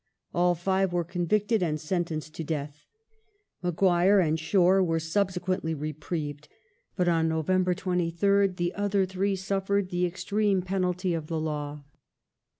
All five were convicted and sentenced to death ; Maguire and Shore were subsequently reprieved, but on November 23rd the other three suffered the extreme penalty of the law.